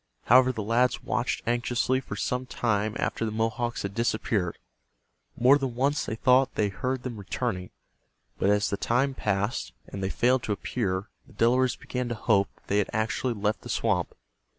However, the lads watched anxiously for some time after the Mohawks had disappeared. More than once they thought they heard them returning, but as the time passed and they failed to appear the Delawares began to hope that they had actually left the swamp.